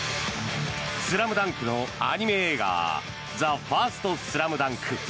「ＳＬＡＭＤＵＮＫ」のアニメ映画「ＴＨＥＦＩＲＳＴＳＬＡＭＤＵＮＫ」。